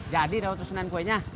jadi rawat pesenan kuenya